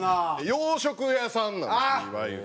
洋食屋さんなんですいわゆる。